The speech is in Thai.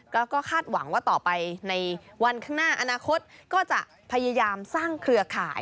ก็คาดหวังว่าต่อไปในวันข้างหน้าอนาคตก็จะพยายามสร้างเครือข่าย